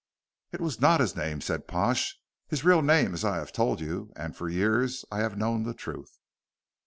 "It was not his name," said Pash. "His real name I have told you, and for years I have known the truth."